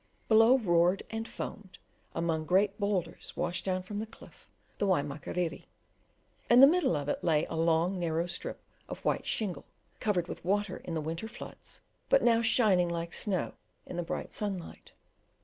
Below roared and foamed, among great boulders washed down from the cliff, the Waimakiriri; in the middle of it lay a long narrow strip of white shingle, covered with water in the winter floods, but now shining like snow in the bright sunlight.